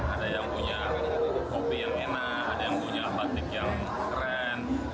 ada yang punya kopi yang enak ada yang punya batik yang keren